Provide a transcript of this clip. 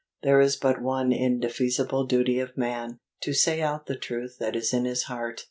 There is but one indefeasible duty of man, to say out the truth that is in his heart.